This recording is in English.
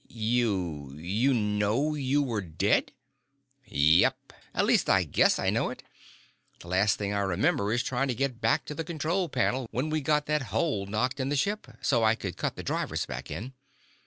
"You you know you were dead?" "Yep. At least I guess I know it. The last thing I remember is trying to get back to the control panel when we got that hole knocked in the ship, so I could cut the drivers back in.